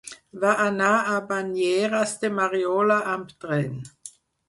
Va anar a Banyeres de Mariola amb tren.